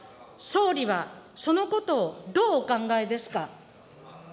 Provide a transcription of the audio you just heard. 総理はそのことをどうお考えですか。